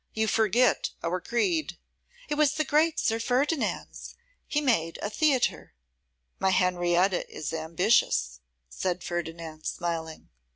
You forget our creed.' 'It was the great Sir Ferdinand's. He made a theatre.' 'My Henrietta is ambitious,' said Ferdinand, smiling.